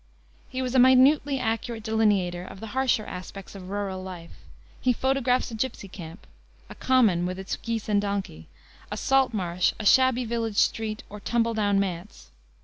He was a minutely accurate delineator of the harsher aspects of rural life. He photographs a Gypsy camp; a common, with its geese and donkey; a salt marsh, a shabby village street, or tumble down manse.